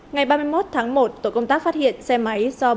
ngày ba mươi một tháng một tổ công tác phát hiện xe máy do